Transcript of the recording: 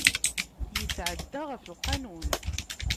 Yetɛedda ɣef lqanun.